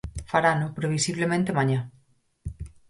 Farano, previsiblemente mañá.